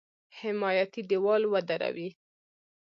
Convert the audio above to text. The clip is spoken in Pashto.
حمایتي دېوال ودروي.